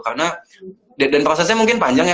karena dan prosesnya mungkin panjang ya